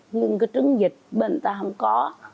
nhưng cái trứng vịt bên ta không có